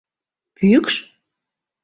Пӱкш?